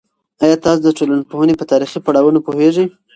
ایا تاسو د ټولنپوهنې په تاریخي پړاوونو پوهیږئ؟